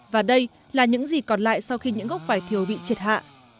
và đây là những gì còn lại sau khi những gốc vải thiểu bị chệt hạ